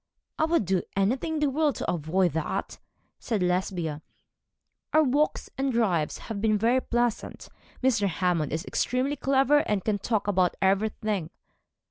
'I would do anything in the world to avoid that,' replied Lesbia. 'Our walks and drives have been very pleasant. Mr. Hammond is extremely clever, and can talk about everything.'